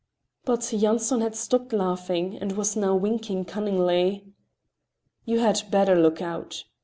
"Satan!" But Yanson had stopped laughing, and was now winking cunningly. "You had better look out!"